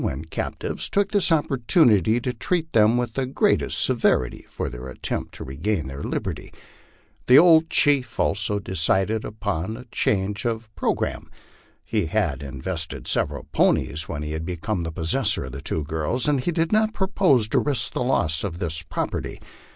when captives, took this opportunity to treat them with the greatest severity for their attempt to regain their liberty. The old chief, also, decided upon a change of programme. He had invested several ponies when he became the possessor of the two girls, and he did not propose to risk the loss of this property.